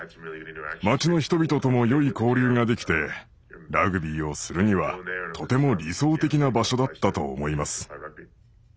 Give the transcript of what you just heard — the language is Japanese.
町の人々とも良い交流ができてラグビーをするにはとても理想的な場所だったと思います。